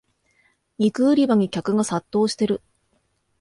肉売り場に客が殺到してる